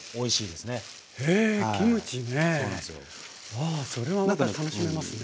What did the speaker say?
ああそれはまた楽しめますね。